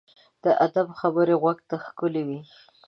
د ادب خبرې غوږ ته ښکلي وي.